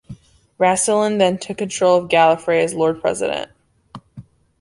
Rassilon then took control of Gallifrey as Lord President.